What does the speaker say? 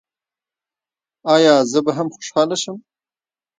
ایا زه به هم خوشحاله شم؟